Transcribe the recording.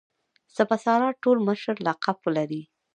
سپه سالار ټول مشر لقب لري.